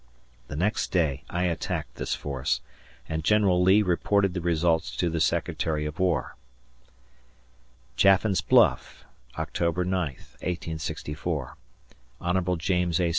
The next day I attacked this force, and General Lee reported the results to the Secretary of War: Chaffin's Bluff, October 9, 1864. Hon. James A.